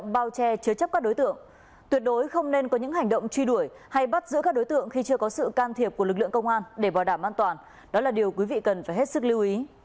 bắt giữa các đối tượng khi chưa có sự can thiệp của lực lượng công an để bảo đảm an toàn đó là điều quý vị cần phải hết sức lưu ý